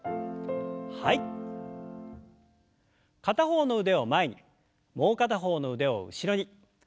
片方の腕を前にもう片方の腕を後ろに。